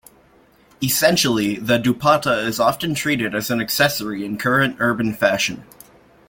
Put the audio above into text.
Essentially, the dupatta is often treated as an accessory in current urban fashion.